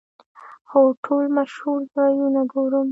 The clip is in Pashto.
هو، ټول مشهور ځایونه ګورم